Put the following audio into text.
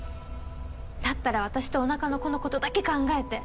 だったら私とお腹の子のことだけ考えて。